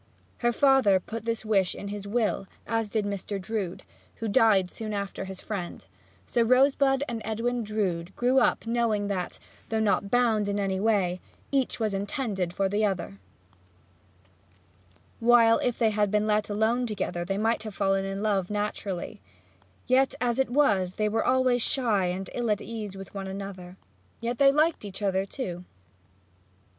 Her father put this wish in his will, as did Mr. Drood, who died also soon after his friend, and so Rosebud and Edwin Drood grew up knowing that, though not bound in any way, each was intended for the other. So it came about that, while if they had been let alone they might have fallen in love naturally, yet as it was they were always shy and ill at ease with one another. Yet they liked each other, too.